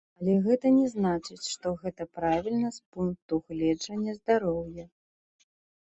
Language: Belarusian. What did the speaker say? Але гэта не значыць, што гэта правільна з пункту гледжання здароўя.